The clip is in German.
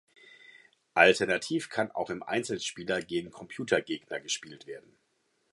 Alternativ kann auch im Einzelspieler gegen Computergegner gespielt werden.